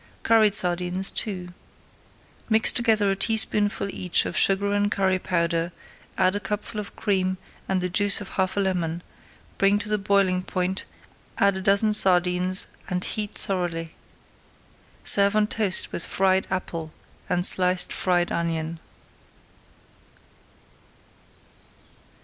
CURRIED SARDINES II Mix together a teaspoonful each of sugar [Page 316] and curry powder, add a cupful of cream and the juice of half a lemon, bring to the boiling point, add a dozen sardines, and heat thoroughly. Serve on toast with fried apple and sliced fried onion.